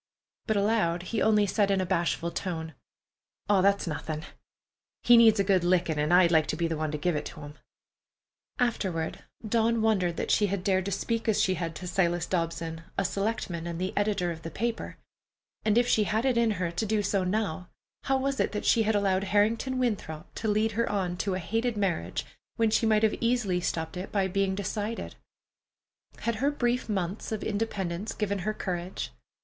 But aloud he only said in a bashful tone: "Aw, that's nothin'. He needs a good lickin', an' I'd like to be the one to give it to him." Afterward, Dawn wondered that she had dared to speak as she had to Silas Dobson, a selectman, and the editor of the paper. And if she had it in her to do so now, how was it that she had allowed Harrington Winthrop to lead her on to a hated marriage, when she might have easily stopped it by being decided? Had her brief months of independence given her courage?